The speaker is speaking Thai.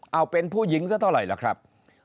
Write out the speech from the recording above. เอาเป็นผู้หญิงซะเท่าไหร่ล่ะครับ